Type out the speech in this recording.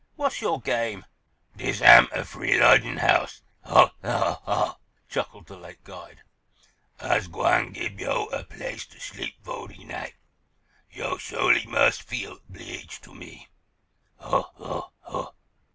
"What's your game?" "Dis am a free lodgin' house—ho, ho, ho!" chuckled the late guide. "Ah's gwine gib yo' er place to sleep fo' de night. Yo' sho'ly must feel 'bleeged to me—ho, ho, ho!"